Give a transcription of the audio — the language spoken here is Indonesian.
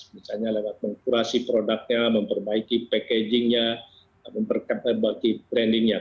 misalnya lewat mengkurasi produknya memperbaiki packaging nya memperbaiki branding nya